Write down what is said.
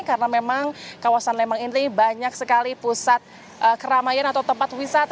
karena memang kawasan lembang ini banyak sekali pusat keramaian atau tempat wisata